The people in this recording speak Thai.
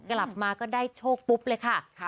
กลับมาก็ได้โชคปุ๊บเลยค่ะ